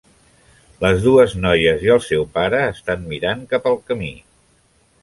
Les dues noies i el seu pare, estan mirant cap al camí.